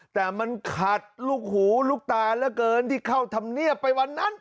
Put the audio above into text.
แต่มันขัดลูกหูลูกตาเหลือเกินที่เข้าธรรมเนียบไปวันนั้น